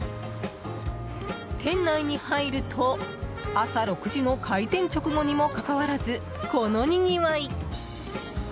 店内に入ると朝６時の開店直後にもかかわらずこのにぎわい。